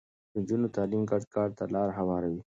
د نجونو تعليم ګډ کار ته لاره هواروي.